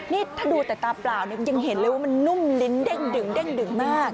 นี่ถ้าดูแต่ตาเปล่ายังเห็นเลยว่ามันนุ่มลิ้นเด้งดึงมาก